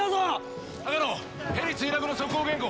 高野ヘリ墜落の速報原稿。